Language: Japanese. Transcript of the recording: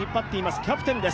キャプテンです。